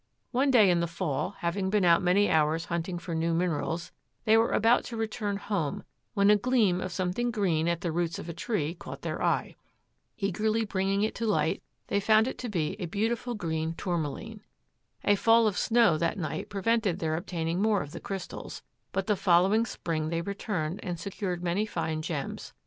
One day in the fall, having been out many hours hunting for new minerals, they were about to return home when a gleam of something green at the roots of a tree caught their eye. Eagerly bringing it to light, they found it to be a beautiful green Tourmaline. A fall of snow that night prevented their obtaining more of the crystals, but the following spring they returned and secured many fine gems.